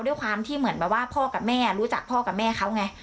ด้วยความที่เหมือนแบบว่าพ่อกับแม่รู้จักพ่อกับแม่เขาไง